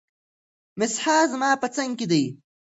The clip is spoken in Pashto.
مسیحا زما په څنګ کې دی.